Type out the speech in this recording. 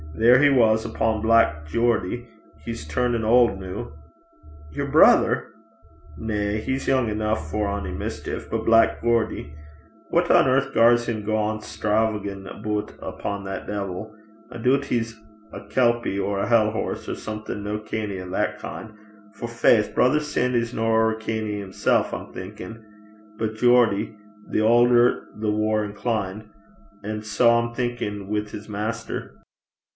There he was upo' Black Geordie. He's turnin' auld noo.' 'Yer brither?' 'Na. He's young eneuch for ony mischeef; but Black Geordie. What on earth gars him gang stravaguin' aboot upo' that deevil? I doobt he's a kelpie, or a hell horse, or something no canny o' that kin'; for faith! brither Sandy's no ower canny himsel', I'm thinkin'. But Geordie the aulder the waur set (inclined). An' sae I'm thinkin' wi' his maister.'